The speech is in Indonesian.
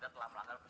tak ada masalah